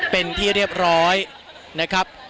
เป็นที่เรียบร้อยนะครับ